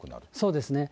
そうですね。